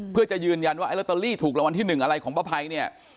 เพื่อจะยืนยันว่าไอลอตเตอรี่ถูกรางวัลที่๑อะไรของป้าภัยเนี่ย